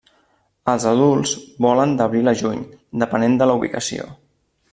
Els adults volen d'abril a juny, depenent de la ubicació.